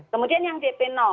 kemudian yang dp